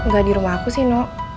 gak di rumah aku sih nok